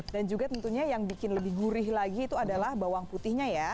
dan juga tentunya yang bikin lebih gurih lagi itu adalah bawang putihnya ya